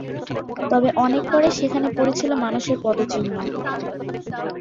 তবে অনেক পরে সেখানে পড়েছিল মানুষের পদচিহ্ন।